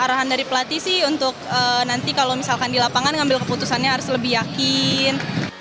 arahan dari pelatih sih untuk nanti kalau misalkan di lapangan ngambil keputusannya harus lebih yakin